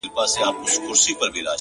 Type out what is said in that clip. ن و” قاف و” يې و” بې ښايسته تورې”